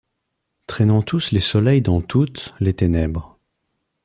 Traînant-tous les soleils dans toutes, les ténèbres